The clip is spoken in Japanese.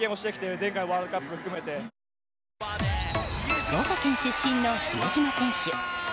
福岡県出身の比江島選手。